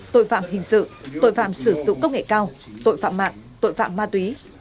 tội phạm hình sự tội phạm sử dụng công nghệ cao tội phạm mạng tội phạm ma túy